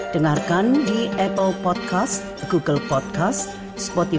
dengarkan di apple podcast google podcast spotify atau dimanapun anda mendapatkan podcast seperti ini